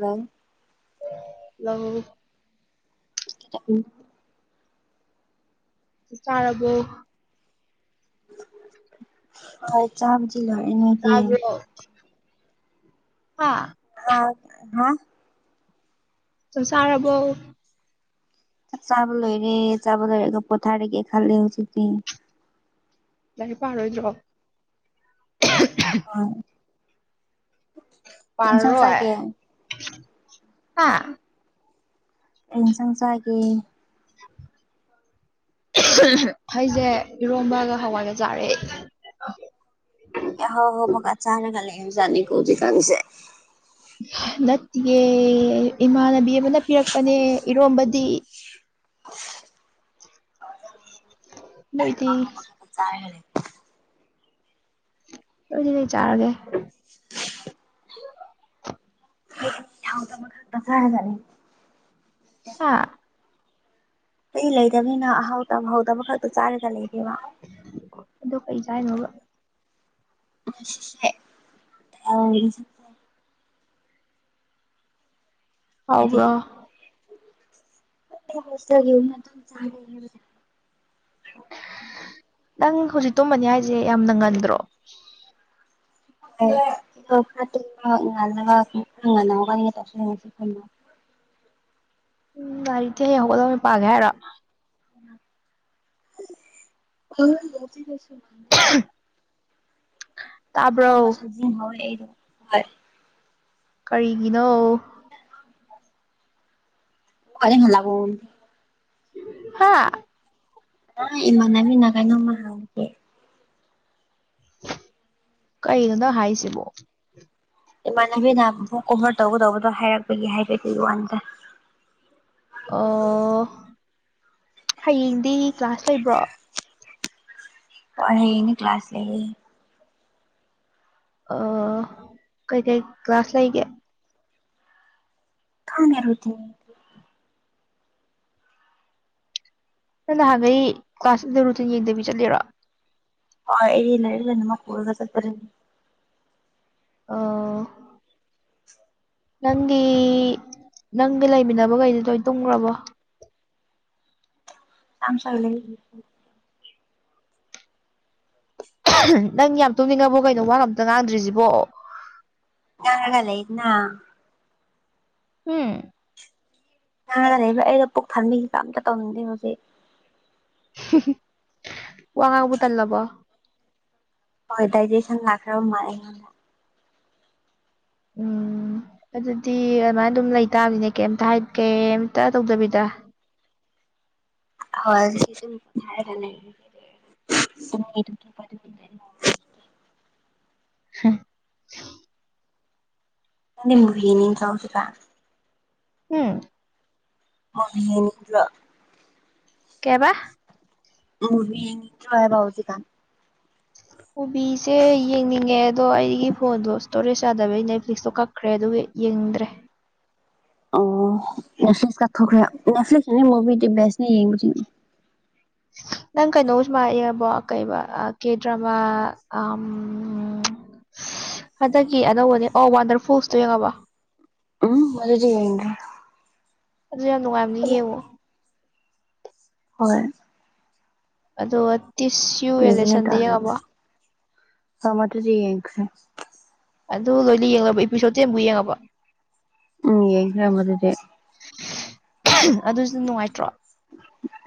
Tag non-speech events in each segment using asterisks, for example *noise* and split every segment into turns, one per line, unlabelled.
ꯑꯪ
ꯂꯧ
ꯎꯝ
ꯆꯥꯔꯕꯣ
ꯍ ꯆ ꯁꯤꯂ
ꯌꯥꯕ ꯍꯥ
ꯑ ꯍꯥ
ꯆꯁꯥꯕꯣ
ꯆꯕ ꯂꯔꯦ ꯆꯕ ꯂꯔꯦꯒꯣ ꯄꯊꯥꯒ ꯈꯜ ꯍꯧ ꯎꯆꯗꯤ
ꯂ ꯄꯥꯔꯣꯏꯖ
ꯑ ꯀꯩ ꯏꯟꯁꯥꯡ ꯆꯥꯒꯦ
ꯄꯔꯣꯏ
ꯀꯩ
ꯍꯥ
ꯏꯟꯁꯪꯁꯥꯒꯦ
ꯑꯩꯁꯦ ꯏꯔꯣꯝꯕꯒ ꯍꯋꯥꯏꯒ ꯆꯥꯔꯦ
ꯏ ꯍꯣ ꯍꯣꯕ ꯀꯠ ꯆꯥꯅ ꯀꯖꯥꯅꯤ ꯀꯣꯗꯤ ꯀꯥꯟꯦ
ꯅꯠꯇꯦꯦ ꯏꯃꯥꯟꯅꯕꯤ ꯑꯃꯅ ꯄꯤꯔꯛꯄꯅꯦ ꯏꯔꯣꯝꯕꯗꯤ ꯅꯣꯏꯗꯤ
ꯆ
ꯂꯣꯏꯗꯤ ꯂꯩ ꯆꯥꯔꯒꯦ
*unintelligible* ꯍꯥꯎꯗ ꯃ ꯇꯁꯥꯥꯏꯔ ꯆꯂ
ꯍꯥ
ꯑꯩ ꯂꯩꯗꯕꯅꯤꯅ ꯑꯍꯥꯎ ꯇꯕꯍꯥꯎꯗꯕ ꯈꯛꯇꯣ ꯆꯥꯔꯒ ꯂꯩꯒꯦꯕ
ꯑ ꯀꯩ ꯀ ꯍꯥꯏꯅꯣꯕ
ꯦ ꯑꯗꯨ
ꯍꯥꯎꯕ꯭ꯔꯣ
ꯆꯥꯡ
ꯅꯪ ꯍꯧꯖꯤꯛ ꯇꯨꯝꯕꯅꯤ ꯍꯥꯏꯁꯦ ꯌꯥꯝꯅ ꯉꯟꯗ꯭ꯔꯣ
ꯇ
ꯒꯥꯔꯤꯗꯤ ꯍꯦꯛ ꯍꯧꯒꯗꯕꯅꯤ ꯄꯥꯒꯦ ꯍꯥꯏꯔ
ꯁꯨ
*unintelligible*
ꯈꯣꯡꯒ ꯁꯥꯖꯤꯤꯡꯍꯧꯋꯦ ꯑꯩꯗꯣ ꯍꯣꯏ
ꯀꯔꯤꯒꯤꯅꯣ
ꯑꯔꯦ ꯃꯂꯒꯣꯟ
ꯍꯥꯥ
ꯑ ꯏꯃ ꯃꯤꯅꯥ ꯀꯥꯏꯅ ꯃꯥ ꯑꯣꯦ
ꯀꯩꯅꯩꯅꯣꯗ ꯍꯥꯏꯁꯤꯕꯣ
ꯏꯃꯥꯟꯅꯕꯤꯅ ꯑꯃꯛ ꯀꯣꯚꯔ ꯇꯧꯒꯗꯧꯕꯗꯣ ꯍꯥꯏꯔꯛꯄꯒꯤ ꯍꯥꯏꯕ ꯑꯗꯨꯒꯤ ꯋꯥꯅꯤꯗ
ꯑ ꯍꯌꯦꯡꯗꯤ ꯀ꯭ꯂꯥꯁ ꯂꯩꯕ꯭ꯔꯣ
ꯍꯅꯤ ꯀ꯭ꯂꯥꯁ ꯂꯩ
ꯑ ꯀꯩ ꯀꯩ ꯀ꯭ꯂꯥꯁ ꯂꯩꯒꯦ
ꯀꯥꯟꯦꯔꯣꯏ ꯊꯅꯤ
ꯅꯪ ꯅꯍꯥꯟꯒꯩ ꯀ꯭ꯂꯥꯁꯇꯗ ꯔꯨꯇꯤꯟ ꯌꯦꯡꯗꯕꯤ ꯆꯠꯂꯦꯔꯣ
ꯍ ꯏꯂ ꯏꯔꯂ ꯅ ꯃꯜꯒ ꯆꯔ
ꯑꯥ ꯅꯪꯒꯤ ꯅꯪꯗꯤ ꯂꯩꯃꯤꯟꯅꯕꯈꯩꯗꯨ ꯂꯣꯏ ꯇꯨꯝꯈ꯭ꯔꯕꯣ
ꯊꯥꯡ ꯆꯪꯂ
ꯅꯪ ꯌꯥꯝ ꯇꯨꯝꯅꯤꯡꯉꯕꯣ ꯀꯩꯅꯣ ꯋꯥ ꯉꯝꯇ ꯉꯥꯡꯗ꯭ꯔꯤꯁꯤꯕꯣ
ꯌꯥꯅ ꯂꯩꯅ
ꯎꯝ
ꯀꯅ ꯂꯩꯕ ꯑꯩꯩꯅ ꯄꯨꯛ ꯊꯥꯕꯤꯁꯤꯗ ꯑꯝꯇ ꯇꯧꯅꯤꯡꯗꯦ ꯍꯧꯖꯤꯛ
ꯋꯥꯉꯕꯨ ꯇꯜꯂꯕ
ꯍꯣꯏ ꯗꯗꯥꯏꯖꯦꯁꯟ ꯂꯥꯛꯈ꯭ꯔ ꯃꯥ
ꯎꯝ ꯑꯗꯨꯗꯤ ꯑꯗꯨꯃꯥꯏꯅ ꯑꯗꯨꯝ ꯂꯩꯇꯥꯥꯕꯅꯦ ꯀꯩꯝꯇ ꯀꯩꯝꯇ ꯇꯧꯗꯕꯤꯗ
ꯍ ꯁꯤꯁꯨ ꯀ
ꯍꯝ
ꯕꯨ ꯍꯤꯅꯤ ꯆꯥꯎꯁꯤꯒ
ꯎꯝ
ꯃꯅꯤꯡ
ꯀꯦꯕꯥ
ꯎ ꯅꯤꯡꯠꯇ꯭ꯔꯕꯥꯎꯗꯤ ꯀꯥꯟ
ꯑꯣꯕꯤꯁꯦ ꯌꯦꯡꯅꯤꯡꯉꯦ ꯑꯗꯣ ꯑꯩꯒꯤ ꯐꯣꯟꯗꯣ ꯏꯁꯇꯣꯔꯦꯖ ꯌꯥꯗꯕ ꯅꯦꯠꯐ꯭ꯂꯤꯛꯁꯇꯣ ꯀꯛ ꯈ꯭ꯔꯦ ꯑꯗꯨ ꯌꯦꯡꯗ꯭ꯔꯦ
ꯑꯣ ꯅꯦꯐ꯭ꯂꯁ ꯀ ꯊꯈ꯭ꯔꯦ ꯅꯦꯠꯐ꯭ꯂꯛꯁ ꯃꯨꯚꯤꯗꯤ ꯦꯁ
ꯅꯪ ꯀꯩꯅꯣ ꯁꯨꯃꯥꯏꯑꯕꯣ ꯀꯩꯕ ꯀꯦꯗ꯭ꯔꯃꯥ ꯍꯟꯗꯛꯀꯤ ꯑꯅꯧꯕꯅꯦ ꯑꯣ ꯋꯥꯟꯗꯔ ꯐ꯭ꯔꯨꯁꯇꯣ ꯌꯦꯡꯉꯕ
ꯎꯝ ꯃꯗꯨꯗꯤꯒ
ꯑꯗꯨ ꯌꯥꯝ ꯅꯨꯡꯉꯥꯏꯕꯅꯤ ꯌꯦꯡꯉꯣ
ꯍꯣꯏ
ꯑꯗꯣ ꯇꯤꯁ ꯌꯨ ꯑꯦꯂꯦꯛꯁꯟꯗ ꯌꯦꯡꯉꯕꯣ
ꯍ ꯃꯠꯇ ꯆꯍꯤ ꯌꯥꯁꯦ
ꯑꯗꯨ ꯂꯣꯏꯅ ꯌꯦꯡꯂꯕ ꯏꯄꯤꯁꯣꯗꯠꯇꯤ ꯑꯃꯨꯛ ꯌꯦꯡꯉꯕ
ꯎꯝ ꯌꯦꯡ꯭ꯔ ꯃꯗꯨꯗꯤ
ꯑꯗꯨꯁꯨ ꯅꯨꯡꯉꯥꯏꯇ꯭ꯔꯣ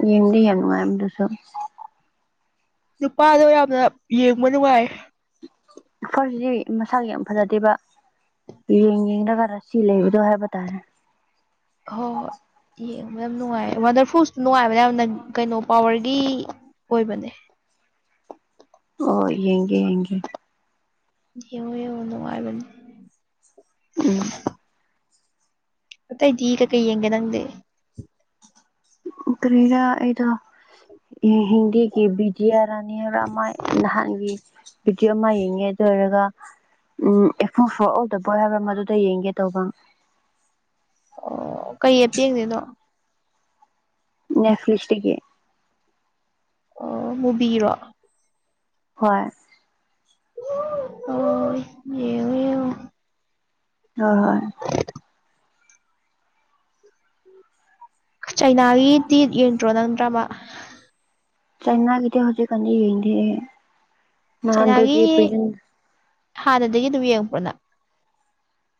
ꯌꯦꯡꯗꯤ ꯌꯥꯝꯅꯅꯨꯡꯉꯗꯨꯁꯨꯣ
ꯅꯨꯄꯥꯗꯣ ꯌꯥꯝꯅ ꯌꯦꯡꯕ ꯅꯨꯡꯉꯥꯏ
ꯐꯔꯁꯤꯗꯤ ꯃꯁꯥꯒꯤ ꯌꯥꯝ ꯐꯖꯗꯦꯕ ꯌꯦꯡ ꯌꯦꯡꯗ ꯈꯔ ꯁꯤ ꯂꯩꯕꯗꯣ ꯍꯥꯏꯕ ꯇꯥꯔꯦ
ꯍ ꯍꯣꯏ ꯌꯦꯡꯕ ꯌꯥꯝ ꯅꯨꯡꯉꯥꯏ ꯋꯥꯇꯔ ꯄ꯭ꯔꯨꯐꯁꯨ ꯅꯨꯡꯉꯥꯏꯕꯅꯦ ꯌꯥꯝꯅ ꯀꯩꯅꯣ ꯄꯋꯔꯒꯤ ꯑꯣꯏꯕꯅꯦ
ꯑꯣ ꯌꯦꯡꯒꯦ ꯌꯦꯡꯒꯦ
ꯌꯦꯡꯉꯣ ꯌꯦꯡꯉꯣ ꯅꯨꯡꯉꯥꯏꯕꯅꯦ
ꯎꯝ
ꯑꯇꯩꯗꯤ ꯀꯩꯀꯩ ꯌꯦꯡꯒꯦ ꯅꯪꯗꯤ
ꯀꯔꯤꯗꯥ ꯑꯩꯗ ꯍꯤꯟꯗꯤꯒꯤ ꯕꯤꯗꯤꯌꯥ ꯔꯥꯅꯤ ꯔꯃꯥꯏꯟ ꯅꯍꯥꯟꯒꯤ ꯕꯤꯗꯤꯑꯣ ꯑꯃ ꯌꯦꯡꯉꯦ ꯑꯗꯨ ꯑꯣꯏꯔꯒ ꯎꯝ ꯑꯦꯐ ꯑꯣ ꯐꯣꯔ ꯑꯣꯗꯕꯣꯏ ꯍꯥꯏꯕ꯭ꯔꯥ ꯃꯗꯨꯗ ꯌꯦꯡꯒꯦ ꯇꯧꯕ
ꯑꯣ ꯀꯩ ꯑꯞꯇꯦꯡꯗꯣꯏꯅꯣ
ꯅꯁꯂꯤꯁꯦ
ꯑꯣ ꯃꯨꯕꯤꯔꯣ
ꯍꯣꯏ
ꯍ
ꯍꯣꯏ ꯍꯣꯏ
ꯎ ꯆꯩꯅꯥꯒꯤꯗꯤ ꯌꯦꯡꯗ꯭ꯔꯣ ꯅꯪꯗ꯭ꯔꯕ
ꯆꯥꯏꯅꯥꯒꯤꯗꯤ ꯍꯧꯖꯤꯛ ꯀꯥꯟꯗꯤ ꯍꯗꯦ
ꯆꯩꯅꯥꯒꯤ ꯍꯥꯟꯅꯗꯒꯤ ꯑꯗꯨꯝ ꯌꯦꯡꯉꯕ꯭ꯔꯣꯅ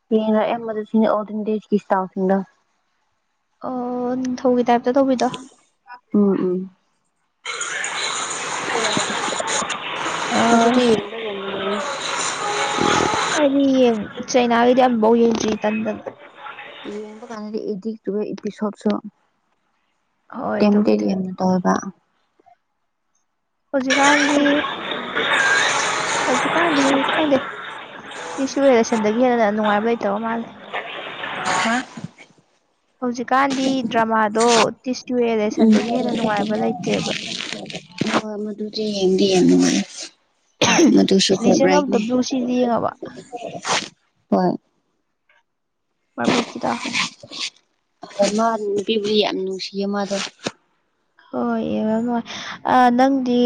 ꯀꯅ ꯑꯍꯃꯗꯁꯤꯡ ꯑꯣꯗꯗꯀꯤꯁꯇꯥꯁꯤꯡꯅ
ꯑꯣ ꯅꯤꯡꯊꯧꯒꯤ ꯇꯥꯏꯞꯇ ꯇꯧꯕꯤꯗꯣ
ꯎꯝ ꯎꯝ
ꯑꯥ
ꯃꯗꯨꯗꯤ ꯌꯦꯡꯕ꯭ꯔꯥ
ꯍꯥꯏꯗꯤ ꯌꯦꯡ ꯆꯩꯅꯥꯒꯤꯗꯤ ꯑꯝꯕꯧ ꯌꯦꯡꯗ꯭ꯔꯤ ꯇꯟꯗꯅ
ꯌꯦꯡꯕ ꯀꯥꯟꯗꯗꯤ ꯏꯗꯤꯛ ꯆꯨꯔꯥ ꯏꯄꯤꯁꯣꯠꯁꯨ
ꯍꯣꯏ
ꯇꯦꯡ-ꯗꯦꯡ
ꯑꯗꯨꯕꯨꯗꯤ
ꯌꯦꯛꯉꯦ ꯇꯣꯏꯕ
ꯍꯧꯖꯤꯛꯀꯥꯟꯒꯤ-ꯍꯧꯖꯤꯛꯀꯥꯟꯗꯤ ꯈꯪꯗꯦ ꯁꯤꯁꯨ ꯑꯦꯂꯦꯁꯟꯗꯒꯤ ꯍꯦꯟꯅ ꯅꯨꯡꯉꯥꯏꯕ ꯂꯩꯇꯕ ꯃꯥꯜꯂꯦ
ꯍꯥ
ꯍꯧꯖꯤꯛꯀꯥꯟꯗꯤ ꯗ꯭ꯔꯃꯥꯗꯣ ꯇꯤꯁ ꯇꯨ
ꯎꯝ
ꯑꯦꯂꯦꯁꯟꯗꯒꯤ ꯍꯦꯟꯅ ꯅꯨꯡꯉꯥꯏꯕ ꯂꯩꯇꯦꯕ
ꯑꯥ ꯃꯗꯨꯖꯨ ꯌꯦꯡꯗꯤ ꯌꯥꯝ ꯅꯨꯡꯉꯥꯏꯌꯦ ꯃꯗꯨꯁꯨ
ꯂꯤꯖꯟ ꯑꯣꯐ ꯗ
ꯐꯦꯕ꯭ꯔꯥꯏꯠꯅꯦ
ꯕ꯭ꯂꯨ ꯁꯤꯗꯤ ꯌꯦꯡꯉꯕ
ꯍꯣꯏ
ꯃꯔꯔꯃꯦꯀꯤꯗ
ꯃꯥ ꯅꯨꯄꯤꯕꯨꯗꯤ ꯌꯥꯝ ꯅꯨꯡꯁꯤꯌꯦ ꯃꯥꯗꯣ
ꯍꯣꯏ ꯑꯦꯕꯝ ꯍꯣꯏ ꯅꯪꯗꯤ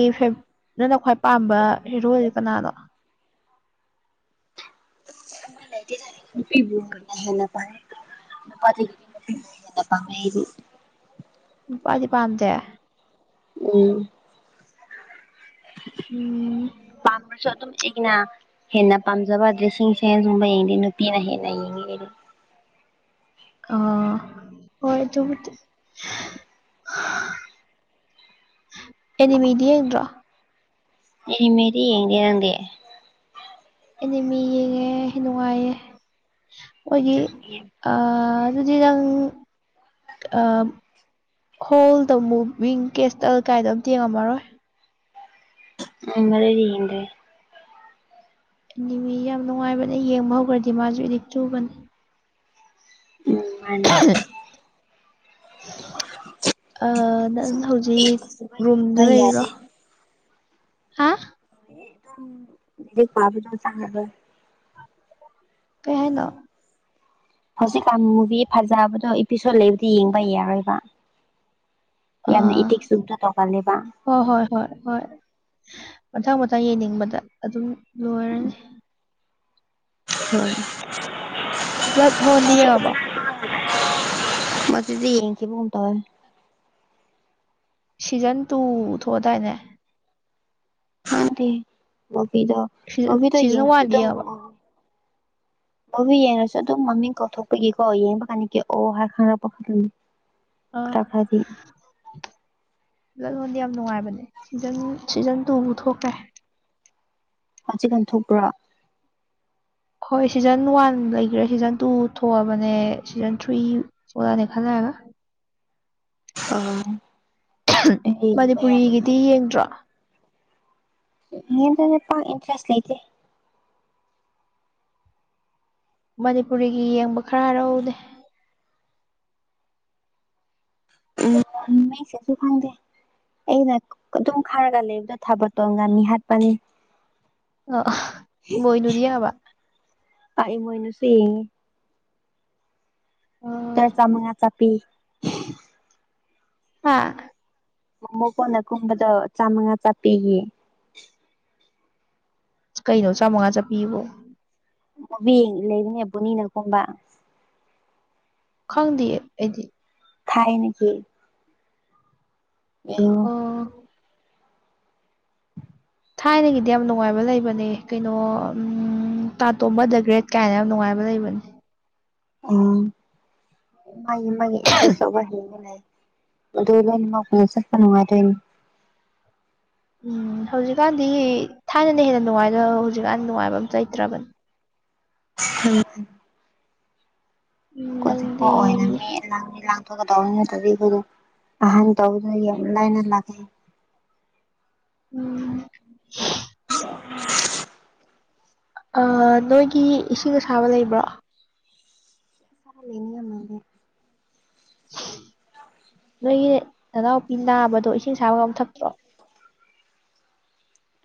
ꯅꯪꯅ ꯈ꯭ꯋꯥꯏ ꯄꯥꯝꯕ ꯍꯦꯔꯣꯏꯁ ꯀꯅꯥꯗꯣ
ꯍꯦꯟꯅꯄꯥꯏꯦ ꯄꯗꯤ
ꯅꯨꯄꯥꯗꯤ ꯄꯥꯝꯗꯦ
ꯎꯝ
ꯎꯝ
ꯄꯝꯔꯁ ꯑꯗꯨꯝ ꯑꯦꯒꯤꯅ ꯍꯦꯟꯅ ꯄꯥꯝꯖꯕ ꯗ꯭ꯔꯦꯁꯤꯡ ꯁꯦꯟꯁꯒꯨꯝꯕ ꯌꯦꯡꯗꯦ ꯅꯨꯄꯤꯅ ꯍꯦꯟꯅ ꯌꯦꯡꯉꯤ
ꯑ ꯍꯣꯏ ꯇꯗꯤ ꯑꯦꯗꯤ ꯃꯤꯗꯤ ꯌꯦꯡꯗ꯭ꯔꯣ
ꯇꯦꯔꯤ ꯃꯦꯔꯤ ꯌꯦꯡꯗꯦ ꯅꯪꯗꯤ
ꯑꯦꯅꯤꯃꯤ ꯌꯦꯡꯉꯦ ꯅꯨꯡꯉꯥꯏꯌꯦ ꯃꯣꯏꯒꯤ ꯑꯥ ꯑꯗꯨꯗꯤ ꯅꯪ ꯑꯥ ꯍꯣꯜꯗ ꯑꯃꯨꯛ ꯔꯤꯡ ꯀꯦꯁꯇꯜ ꯀꯥꯏꯗꯣ ꯑꯝꯇ ꯌꯦꯡꯉꯝꯃꯔꯣꯏ
ꯉꯝꯃꯔꯤ ꯌꯦꯡꯗꯩ
ꯑꯟꯅꯤꯃꯤ ꯌꯥꯝ ꯅꯨꯡꯉꯥꯏꯕꯅ ꯌꯦꯡꯕ ꯍꯧꯈ꯭ꯔꯥꯗꯤ ꯃꯥꯖꯨ ꯑꯤꯗꯤꯛ ꯆꯨꯕꯅꯦ
ꯎꯝ ꯃꯥꯟꯅꯤ
ꯑꯥ ꯅꯪ ꯍꯧꯖꯤꯛ ꯔꯨꯝꯗ
ꯌꯦꯡꯕ
ꯂꯩꯔꯤꯔꯣ
ꯌꯥꯗꯦ
ꯍꯥ
ꯗꯤ ꯄꯕꯗ ꯆꯥꯡꯗ *unintelligible*
ꯀꯩ ꯍꯥꯏꯅꯣ
ꯍꯧꯖꯤꯛꯀꯥꯟ ꯃꯨꯚꯤ ꯐꯖꯕꯗꯣ ꯏꯄꯤꯁꯣꯠ ꯂꯩꯕꯗꯤ ꯌꯦꯡꯕ ꯌꯥꯔꯣꯏꯕ ꯌꯥꯝ ꯏꯗꯤꯛ ꯆꯨꯕꯗꯣ ꯇꯧꯒꯟꯂꯦꯕ
ꯍꯣꯏ-ꯍꯣꯏ-ꯍꯣꯏ-ꯍꯣꯏ ꯃꯊꯪ -ꯃꯊꯪ ꯌꯦꯡꯅꯤꯡꯕꯗ ꯑꯗꯨꯝ ꯂꯣꯏꯔꯅꯤ
ꯍꯣꯏ
ꯕ꯭ꯂꯠ ꯍꯣꯟꯗꯤ ꯌꯦꯡꯉꯥꯕꯣ
ꯃꯁꯤꯗꯤ ꯌꯦꯡꯒꯤꯒꯨꯝ ꯇꯧꯔꯦ
ꯁꯤꯖꯟ ꯇꯨ ꯊꯣꯛꯑꯗꯥꯏꯅꯦ
ꯃꯥꯗꯤ ꯃꯨꯕꯤꯗꯣ
ꯁꯤ-ꯁꯤꯖꯟ ꯋꯥꯟꯗꯤ ꯌꯦꯡꯉꯥꯕ
ꯀꯣꯕꯤ ꯌꯦꯡꯉꯁꯨ ꯑꯗꯨꯝ ꯃꯃꯤꯡ ꯀꯧꯊꯣꯛꯄꯒꯤꯀꯣ ꯌꯦꯡꯕ ꯀꯥꯟꯅꯤ ꯀꯣ ꯑꯣ ꯍꯥꯏ ꯈꯪꯉꯛꯄ ꯈꯅꯤ
ꯑꯥ ꯂꯥꯂꯣꯟꯣꯟꯗ ꯌꯥꯝ ꯅꯨꯡꯉꯥꯏꯕꯅꯦ ꯁꯤꯖꯟ-ꯁꯤꯖꯟ ꯇꯨꯕꯨ ꯊꯣꯛꯈ꯭ꯔꯦ
ꯀꯥꯆꯤꯀꯥꯟ ꯊꯣꯛꯄ꯭ꯔꯥ
ꯍꯣꯏ ꯁꯤꯖꯟ ꯋꯥꯟ ꯂꯩꯒ꯭ꯔꯦ ꯁꯤꯖꯟ ꯇꯨ ꯊꯣꯛꯑꯕꯅꯦ ꯁꯤꯖꯟ ꯊ꯭ꯔꯤ ꯊꯣꯛꯑꯅꯤ ꯈꯔ ꯂꯩꯔꯥꯒ
ꯑꯥ
ꯃꯅꯤꯄꯨꯔꯤꯒꯤꯗꯤ ꯌꯦꯡꯗ꯭ꯔꯣ
ꯍ ꯏꯟꯇꯔꯦꯁ ꯂꯩꯗꯦ
ꯃꯅꯤꯄꯨꯔꯤꯒꯤ ꯌꯦꯡꯕ ꯈꯔꯔꯎꯗꯦ
ꯎ ꯃꯁꯦꯁꯨ ꯐꯥꯡꯪꯗꯦ ꯑꯩꯅ ꯑꯗꯨꯝ ꯈꯥꯔꯒ ꯂꯩꯕꯗꯣ ꯊꯥꯕꯇꯣꯟꯒ ꯃꯤ ꯍꯥꯠꯄꯅꯤ
ꯑ ꯏꯃꯣꯏꯅꯨꯗꯤ ꯌꯦꯡꯉꯕ
ꯇꯥꯏ ꯃꯣꯏꯅꯨꯁꯤ
ꯑꯥ
ꯇꯔ ꯆꯃꯉ ꯆ ꯄꯤ
ꯑꯥ
ꯃꯨ ꯀꯣꯟꯅ ꯀꯨꯝꯕꯗ ꯆꯥꯝꯃꯉꯥ ꯆꯥꯄꯤꯈꯤ
ꯀꯩꯅꯣ ꯆꯥꯃꯉꯥ ꯆꯠꯄꯤꯕꯣ
ꯃꯨꯕꯤ ꯂꯩꯕꯅꯦ ꯕꯨꯅꯤꯅꯀꯨꯝꯕ
ꯈꯪꯗꯤꯌꯦ ꯑꯩꯗꯤ
ꯊꯥꯏꯅꯒꯤ ꯌꯦꯡꯉꯣ
ꯑꯣ ꯊꯥꯏꯅꯒꯤꯗꯤ ꯌꯥꯝ ꯅꯨꯡꯉꯥꯏꯕ ꯂꯩꯕꯅꯦ ꯀꯩꯅꯣ ꯎꯝ ꯇꯥꯇꯣꯝꯕ ꯗꯥ ꯒ꯭ꯔꯦꯠ ꯀꯥꯏꯅ ꯌꯥꯝ ꯅꯨꯡꯉꯥꯏꯕ ꯂꯩꯕꯅꯦ
ꯎꯝ ꯃꯥꯒꯤ-ꯃꯥꯒꯤ ꯏꯟꯇ꯭ꯔꯦꯁ ꯇꯧꯕ ꯍꯦꯟꯕ ꯂꯩ ꯑꯗꯨꯗ ꯉꯥꯎꯄꯅ ꯆꯠꯄ ꯅꯨꯡꯉꯥꯏꯗꯨꯏꯅꯤ
ꯎꯝ ꯍꯧꯖꯤꯛꯀꯥꯟꯗꯤ ꯊꯥꯏꯅꯅ ꯍꯦꯟꯅ ꯅꯨꯡꯉꯥꯏꯦꯗ ꯍꯧꯖꯤꯛꯀꯥꯟ ꯅꯨꯡꯉꯥꯏꯕ ꯑꯃꯇ ꯂꯩꯇ꯭ꯔꯥꯕꯅꯦ
ꯎꯝ
ꯎꯝ
ꯀꯣꯆꯤꯄꯣ
ꯅꯪꯗꯤ
ꯑꯣꯏꯅ ꯃꯦ ꯂꯥꯟꯗꯤ ꯂꯥꯡꯊꯣꯛꯒ ꯇꯧꯔꯅꯤ ꯅꯠꯇ꯭ꯔꯥꯗꯤ ꯑꯩꯈꯣꯏꯖꯨ ꯑꯍꯥꯟ ꯇꯧꯗꯅ ꯌꯥꯝ ꯂꯥꯏꯅ ꯂꯥꯛꯑꯦ
ꯎꯝ
*unintelligible*
ꯅꯣꯏꯒꯤ ꯏꯁꯤꯡꯒ ꯁꯥꯥꯕ ꯂꯩꯕ꯭ꯔꯣ
ꯆ ꯃꯒꯦ
ꯅꯣꯏꯒꯤ ꯅꯅꯥꯎꯄꯤ ꯅꯥꯕꯗꯣ ꯏꯁꯤꯡ ꯁꯥꯕꯒ ꯑꯨ ꯊꯛꯇ꯭ꯔꯣ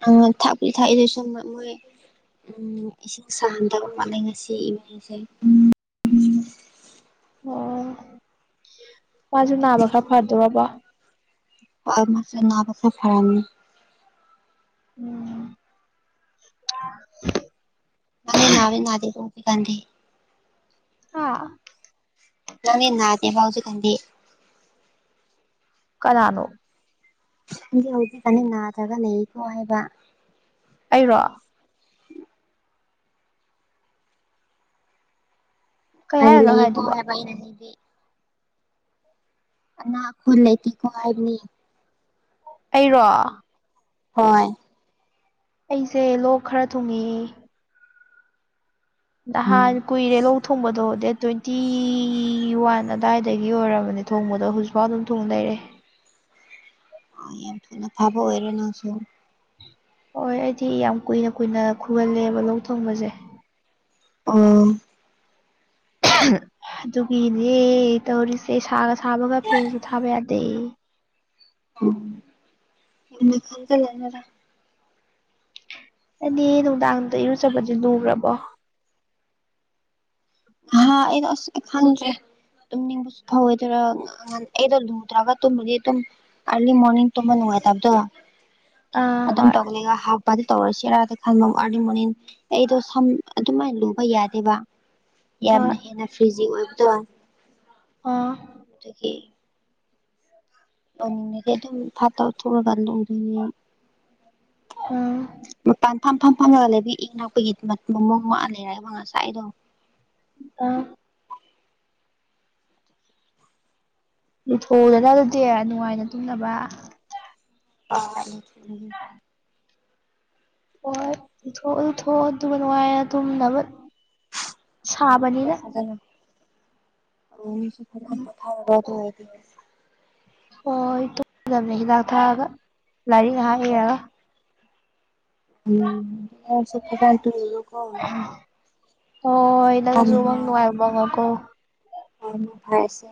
ꯑ ꯊꯥꯄꯂꯤ ꯊꯥꯏꯗꯁ ꯃꯣꯏ ꯎꯝ ꯏꯁꯤꯡ ꯁꯍꯟꯗꯕ ꯃꯥꯠꯂꯦ ꯉꯁꯤ ꯏꯃꯩꯁꯦ ꯎꯝ
ꯑꯣ ꯃꯥꯁꯨ ꯅꯥꯕ ꯈꯔ ꯐꯗꯣꯔꯔꯕꯣ
ꯅꯥꯕꯁ ꯐꯔꯝ
ꯎꯝ
ꯀꯅꯤ ꯅꯅꯥ ꯅꯅꯥꯗ ꯀꯣꯄꯤ ꯀꯥꯟꯗ
ꯑꯥ
ꯅꯅꯤꯟꯅꯅꯥꯗꯦ ꯥꯎꯁꯨ ꯀꯥꯟꯗ
ꯀꯅꯥꯅꯣ
ꯪ ꯍꯧꯖꯤꯛ ꯐꯅ ꯅꯥꯗ꯭ꯔꯒ ꯂꯩꯀꯣ ꯍꯥꯏꯕ
ꯑꯩꯔꯣ ꯀꯩ ꯍꯥꯏꯅꯣ
ꯑꯗꯨꯌꯦ
ꯍꯥꯏꯗꯨꯕ
ꯀꯂ ꯄꯥꯏꯅ ꯂꯩꯦ ꯅꯥ ꯈꯣꯂꯦꯇ ꯀꯣ ꯍꯥꯏꯅꯤ
ꯑꯩꯔꯣ
ꯍꯣꯏ
ꯑꯩꯁꯦ ꯂꯣꯛ ꯈꯔ ꯊꯨꯡꯉꯏꯦ ꯅꯍꯥꯟ
ꯎꯝ
ꯀꯨꯏꯔꯦ ꯂꯧ ꯊꯣꯡꯕꯗꯣ ꯗꯦꯠ ꯇ꯭ꯋꯦꯟꯇꯤ ꯋꯥꯟ ꯑꯗꯨꯋꯥꯏꯗꯒꯤ ꯑꯣꯏꯔꯕꯅꯤ ꯊꯣꯡꯕꯗꯣ ꯍꯧꯖꯤꯛꯐꯥꯎ ꯑꯗꯨꯝ ꯊꯣꯡ ꯂꯩꯔꯦ
ꯑ ꯌꯥꯝ ꯊꯨꯅ ꯐꯥꯕ ꯑꯣꯏꯔꯣ ꯅꯪꯁꯨ
ꯍꯣꯏꯣꯏ ꯑꯩꯗꯤ ꯌꯥꯝ ꯀꯨꯏꯅ ꯀꯨꯏꯅ ꯈꯨꯍꯜꯂꯦꯕ ꯂꯧ ꯊꯣꯡꯕꯁꯦ
ꯑ
ꯑꯗꯨꯒꯤꯅꯦ ꯇꯧꯔꯤꯁꯦ ꯁꯥꯒ ꯁꯥꯕꯒ ꯐꯦꯟꯁꯨ ꯊꯥꯕ ꯌꯥꯗꯦ
ꯑꯣꯟꯅ ꯈꯪꯒꯂꯅꯔ
ꯑꯦꯅꯦ ꯅꯨꯡꯗꯥꯡꯗ ꯏꯔꯨꯖꯕꯗꯤ ꯂꯨꯈ꯭ꯔꯕꯣ
ꯍꯥꯥꯗ ꯈꯦ ꯇꯨꯝ ꯅꯤꯡꯕꯁꯨ ꯐꯋꯦꯗꯔ ꯑꯩꯗꯣ ꯂꯨꯗ꯭ꯔꯒ ꯇꯨꯝꯕꯗꯤ ꯑꯗꯨꯝ ꯑꯔꯂꯤ ꯃꯣꯔꯅꯤꯡ ꯇ ꯃ ꯅꯨꯡꯉꯥꯏ ꯇꯕꯗꯣ
ꯑꯥ
ꯑꯗꯨꯝ
ꯍꯣꯏ
ꯇꯣꯛꯂꯒ ꯍꯥ ꯏꯄꯥꯗꯤ ꯇꯧꯔꯁꯤꯔꯥ ꯈꯟꯕ ꯑꯔꯅꯤ ꯃꯣꯔꯅꯤ ꯑꯩꯗꯣ ꯁꯝ ꯑꯗꯨꯃꯥꯏꯅ ꯂꯨꯕ ꯌꯥꯗꯦꯕ ꯌꯥꯝꯅ
ꯍꯣꯏ
ꯍꯦꯟꯅ ꯐ꯭ꯔꯤꯖꯤ ꯑꯣꯏꯕꯗ
ꯑꯥ
ꯑꯗꯒꯤ ꯉꯗꯤ ꯑꯗꯨꯝ ꯐꯥꯠꯇ ꯊꯨꯔꯒꯥꯟ ꯂꯧꯗꯅꯦ
ꯎꯝ
ꯃꯄꯥꯟ ꯐꯝ ꯐꯝ ꯐꯝꯃꯒ ꯂꯩꯕꯤ ꯏꯅꯥꯛꯄꯒꯤ ꯃꯃꯣ ꯋꯥ ꯂꯩꯔꯑꯕ ꯉꯁꯥꯏ ꯑꯩꯗꯣ
ꯑ ꯂꯊꯣꯗꯅ ꯑꯗꯨꯗꯤ ꯅꯨꯡꯉꯥꯏꯅ ꯇꯨꯝꯅꯕ
ꯍ ꯎꯝ
ꯍꯊꯣꯛꯑꯣ ꯑꯗꯨꯊꯣꯛꯑꯣ ꯑꯗꯨꯒ ꯅꯨꯡꯉꯥꯏꯔ ꯑꯗꯨꯝ
ꯎ ꯐꯗꯊ ꯍꯥꯏꯗꯤ
ꯍꯣꯏ ꯇꯣꯏꯗꯕꯅꯦ ꯍꯤꯗꯥꯛ ꯊꯥꯛꯔꯒ ꯂꯥꯏꯔꯤꯛ ꯉꯥꯏꯍꯥꯛ
ꯍꯣꯏ
ꯏꯔꯒ
ꯎꯝ ꯁꯄ ꯆꯥꯟ ꯇꯅꯦ ꯂ ꯀꯣ
ꯍꯣꯏ ꯍꯣꯏ ꯅꯪꯁꯨ ꯋꯥꯪ ꯅꯨꯡꯉꯥꯏꯕꯉꯀꯣ
ꯑ ꯐꯁꯦ